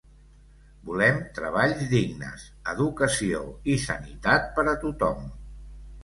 Volem treballs dignes, educació i sanitat per a tothom.